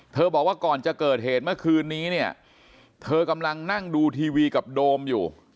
บอกว่าก่อนจะเกิดเหตุเมื่อคืนนี้เนี่ยเธอกำลังนั่งดูทีวีกับโดมอยู่